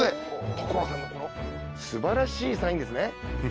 所さんのこの素晴らしいサインですね。